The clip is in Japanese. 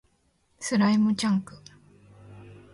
スライムチャンク